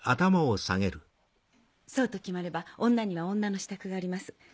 そうと決まれば女には女の支度があります。